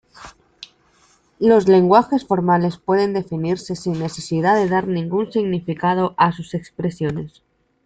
Los lenguajes formales pueden definirse sin necesidad de dar ningún significado a sus expresiones.